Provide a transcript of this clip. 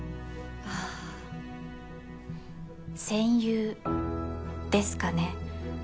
ああ戦友ですかね